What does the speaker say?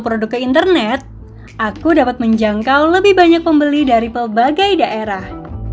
produk ke internet aku dapat menjangkau lebih banyak pembeli dari berbagai daerah